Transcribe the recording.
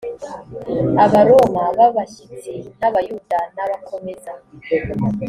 abaroma b abashyitsi n abayuda n abakomeza